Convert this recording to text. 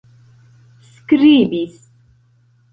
skribis